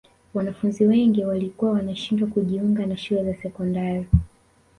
wanafunzi wengi walikuwa wanashindwa kujiunga na shule za sekondari